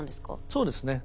そうですね。